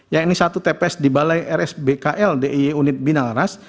yaitu satu tps di balai rs bkl d i e unit binalaras